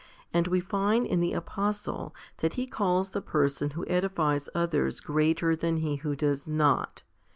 And we find in the apostle that he calls the person who edifies others greater than he who does not.